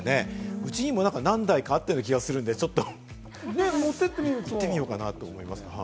うちにも何台かあったような気がするんでちょっと行ってみようかなと思いますね。